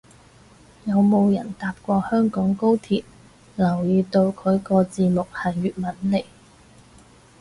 有冇人搭過香港高鐵留意到佢個字幕係粵文嚟